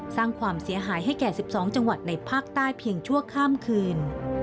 สร้างความเสียหายให้แก่๑๒จังหวัดในภาคใต้เพียงชั่วข้ามคืน